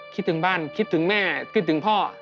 คิดถึงบ้านคิดถึงแม่คิดถึงพ่อ